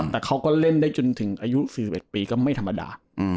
แต่เขาก็เล่นได้จนถึงอายุ๔๑ปีก็ไม่ธรรมดา